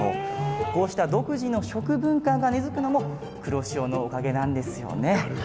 こうした独自の食文化が根づくのも黒潮のおかげなんですよね。